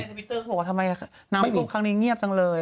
มีในสติวิตเตอร์ขึ้นว่าทำไมน้ำปลูกครั้งนี้เงียบจังเลย